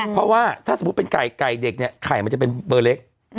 เพราะว่าถ้าสมมุติเป็นไก่ไก่เด็กเนี่ยไข่มันจะเป็นเบอร์เล็ก